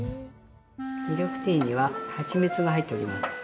ミルクティーには蜂蜜が入っております。